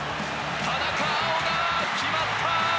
田中碧が決めた！